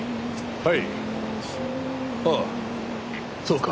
はい。